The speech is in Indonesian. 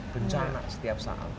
bencana setiap saat